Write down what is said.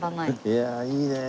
いやいいねえ。